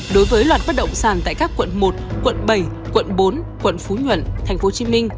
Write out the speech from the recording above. đối với loạt bất động sản tại các quận một quận bảy quận bốn quận phú nhuận tp hcm